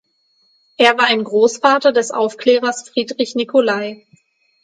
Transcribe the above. Er war ein Großvater des Aufklärers Friedrich Nicolai.